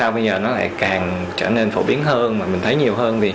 tại sao bây giờ nó lại càng trở nên phổ biến hơn và mình thấy nhiều hơn